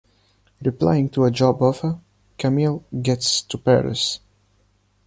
Replying to a job offer, Camille gets to Paris.